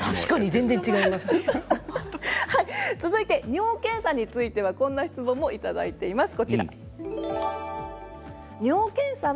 尿検査についてはこんな質問もいただいています。